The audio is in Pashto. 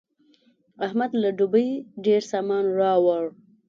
احمد له دوبۍ ډېر سامان راوړ.